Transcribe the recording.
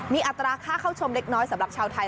มีอัตราค่าเข้าชมเล็กน้อยสำหรับชาวไทย